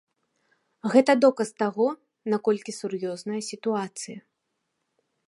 Гэта доказ таго, наколькі сур'ёзная сітуацыя.